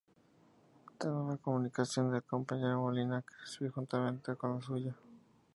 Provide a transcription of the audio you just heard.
Tengo una comunicación del compañero Molina, que recibí juntamente con la suya.